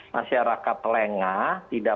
masyarakat lengah tidak